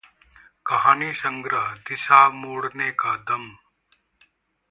कहानी संग्रह: दिशा मोड़ने का दम